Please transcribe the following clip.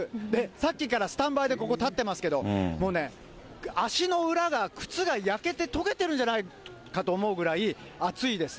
さっきからスタンバイでここ立ってますけど、もうね、足の裏が、靴が焼けて溶けてんじゃないかと思うぐらい暑いです。